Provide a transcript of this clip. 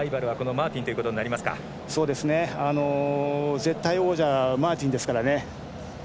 絶対王者、マーティンですから。